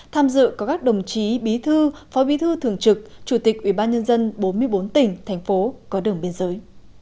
tham dự có các đồng chí bí thư phó bí thư thường trực chủ tịch ubnd bốn mươi bốn tỉnh thành phố có đường biên giới